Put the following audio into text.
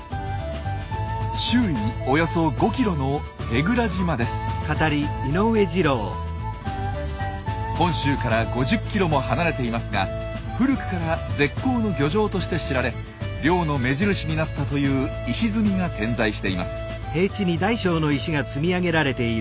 周囲およそ５キロの本州から５０キロも離れていますが古くから絶好の漁場として知られ漁の目印になったという石積みが点在しています。